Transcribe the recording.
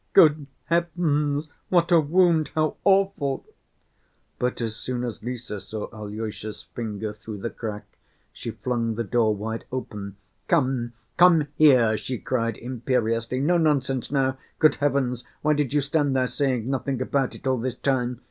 "Good heavens, what a wound, how awful!" But as soon as Lise saw Alyosha's finger through the crack, she flung the door wide open. "Come, come here," she cried, imperiously. "No nonsense now! Good heavens, why did you stand there saying nothing about it all this time?